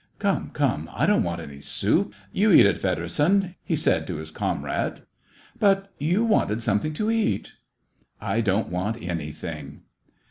" Come, come, I don't want any soup. You eat it, Federsohn !" he said to his comrade. " But you wanted something to eat.'* *' I don't want anything."